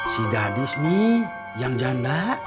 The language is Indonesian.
si dadus nih yang janda